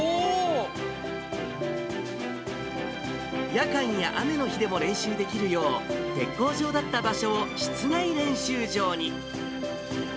夜間や雨の日でも練習できるよう、鉄工場だった場所を室内練習場に。